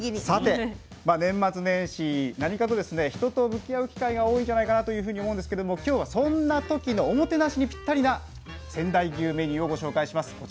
さて年末年始何かとですね人と向き合う機会が多いんじゃないかなというふうに思うんですけども今日はそんな時のおもてなしにぴったりな仙台牛メニューをご紹介します。